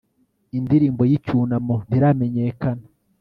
indirimbo y'icyunamo ntiramenyekana